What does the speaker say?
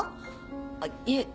あっいえ。